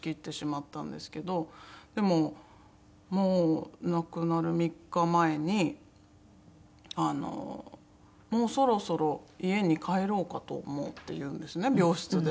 でももう亡くなる３日前に「もうそろそろ家に帰ろうかと思う」って言うんですね病室で。